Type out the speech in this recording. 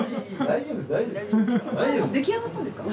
大丈夫ですか？